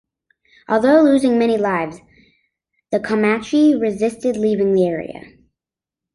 Although losing many lives, the Comanche resisted leaving the area.